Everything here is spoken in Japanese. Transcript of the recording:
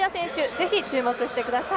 ぜひ注目してください。